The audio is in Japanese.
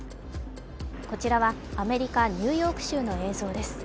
こちらはアメリカ・ニューヨーク州の映像です。